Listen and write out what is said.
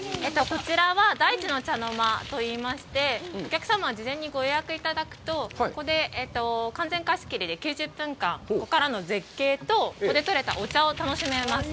こちらは「大地の茶の間」といいまして、お客様はご前にご予約いただくと、ここで完全貸し切りで９０分間、ここからの絶景とここで採れたお茶を楽しめます。